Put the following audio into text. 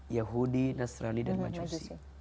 yahudi nasrani dan majusi